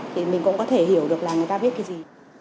thì mình cũng có thể hiểu được là người ta biết cái gì